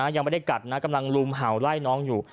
ยังไม่ได้กัดนะกำลังลุมเห่าไล่น้องอยู่